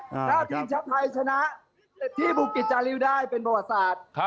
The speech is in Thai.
ถ้าทีมชาติไทยชนะที่บุกิจจาริวได้เป็นประวัติศาสตร์